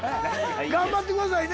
頑張ってくださいね。